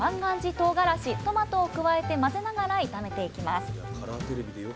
とうがらしトマトを加えて混ぜながら炒めていきます